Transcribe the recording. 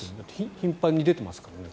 頻繁に出てますからね。